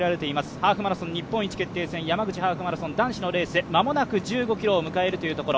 ハーフマラソン日本一決定戦男子のレース間もなく１５ｋｍを迎えるというところ。